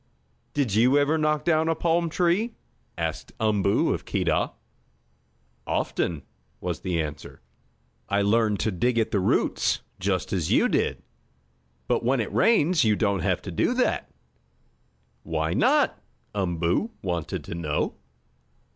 "Did you ever knock down a palm tree?" asked Umboo of Keedah. "Often," was the answer. "I learned to dig at the roots just as you did. But when it rains you don't have to do that." "Why not?" Umboo wanted to know.